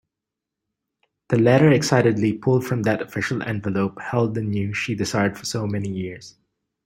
The letter excitedly pulled from that official envelope held the news she desired for so many years.